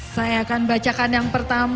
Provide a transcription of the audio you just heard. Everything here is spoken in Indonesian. saya akan bacakan yang pertama